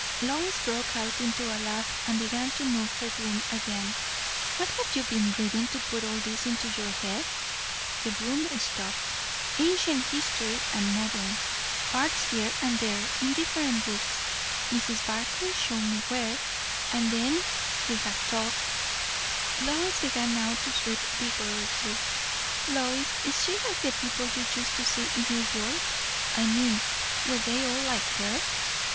Lois broke out into a laugh, and began to move her broom again. "What have you been reading, to put all this into your head?" The broom stopped. "Ancient history, and modern; parts here and there, in different books. Mrs. Barclay showed me where; and then we have talked" Lois began now to sweep vigorously. "Lois, is she like the people you used to see in New York? I mean, were they all like her?"